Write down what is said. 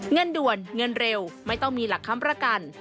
เงินด่วนเงินเร็วไม่ต้องมีหลักค้ำประกัน